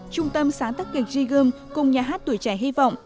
trung tâm sáng tất kịch jigum cùng nhà hát tuổi trẻ hy vọng